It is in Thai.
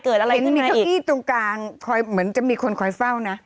เห็นมีเก้าอี้ตรงกลางคอยเหมือนจะมีคนคอยเฝ้านะ